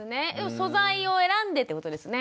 素材を選んでってことですね。